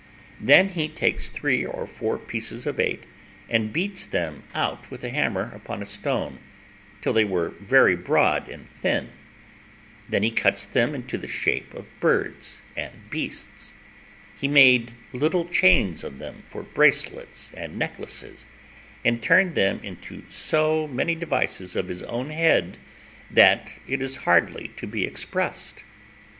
Then he takes three or four pieces of eight, and beats them out with a hammer upon a stone, till they were very broad and thin; then he cuts them out into the shape of birds and beasts; he made little chains of them for bracelets and necklaces, and turned them into so many devices of his own head, that it is hardly to be expressed.